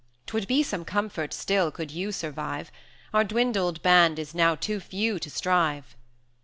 'Twould be some comfort still, could you survive; Our dwindled band is now too few to strive.